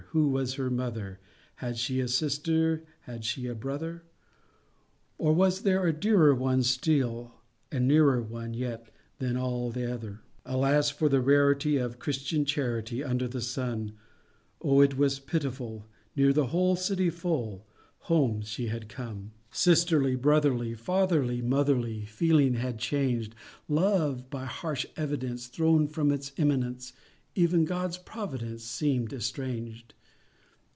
Who was her mother? Had she a sister? Had she a brother? Or was there a dearer one Still, and a nearer one Yet, than all other? Alas! for the rarity Of Christian charity Under the sun! Oh! it was pitiful! Near a whole city full, Home she had none. Sisterly, brotherly, Fatherly, motherly, Feelings had changed: Love, by harsh evidence, Thrown from its eminence; Even God's providence Seeming estranged.